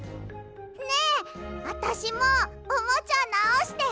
ねえあたしもおもちゃなおして！